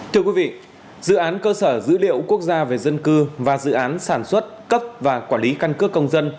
thưa quý vị dự án cơ sở dữ liệu quốc gia về dân cư và dự án sản xuất cấp và quản lý căn cước công dân